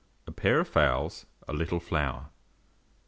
A pair of fowls; a little flour.